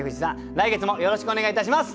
来月もよろしくお願いいたします！